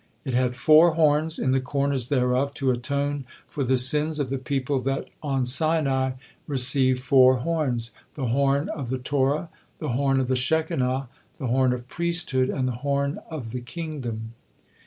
It had four horns in the corners thereof, to atone for the sins of the people that on Sinai receive four horns, "the horn of the Torah," "the horn of the Shekinah," "the horn of Priesthood," and "the horn of the Kingdom."